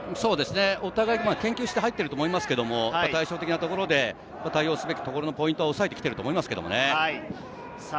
お互い研究して入ってると思いますけれど、対照的なところで対応すべきところのポイントは、おさえてきてると思います。